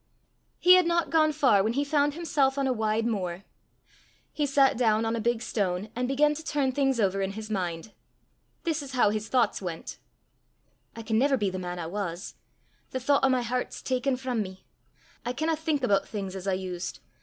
He had not gone far when he found himself on a wide moor. He sat down on a big stone, and began to turn things over in his mind. This is how his thoughts went: "I can never be the man I was! The thoucht o' my heart's ta'en frae me! I canna think aboot things as I used.